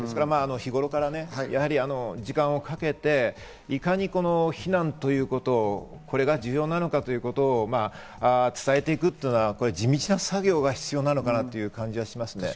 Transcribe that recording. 日頃から時間をかけて、いかに避難ということをこれが重要なのだということを伝えていく地道な作業が必要になるかなという感じはします。